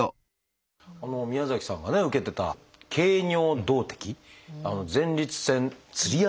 宮崎さんがね受けてた経尿道的前立腺吊り上げ術っていう。